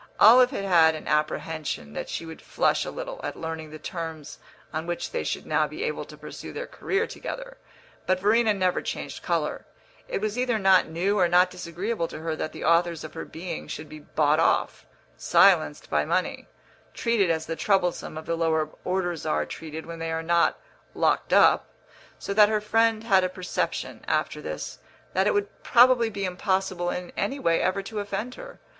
Olive had had an apprehension that she would flush a little at learning the terms on which they should now be able to pursue their career together; but Verena never changed colour; it was either not new or not disagreeable to her that the authors of her being should be bought off, silenced by money, treated as the troublesome of the lower orders are treated when they are not locked up; so that her friend had a perception, after this, that it would probably be impossible in any way ever to offend her.